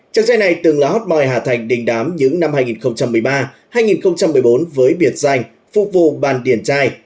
chàng trai này từng là hot moi hà thành đình đám những năm hai nghìn một mươi ba hai nghìn một mươi bốn với biệt danh phục vụ bàn điển trai